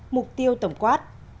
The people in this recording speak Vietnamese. hai mục tiêu tổng quát